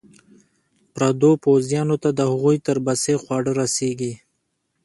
پرتو پوځیانو ته د هغوی تر بسې خواړه رسېږي.